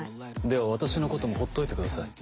では私のこともほっといてください。